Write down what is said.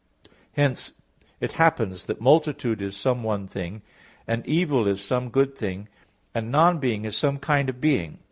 Hence it happens that multitude is some one thing; and evil is some good thing, and non being is some kind of being.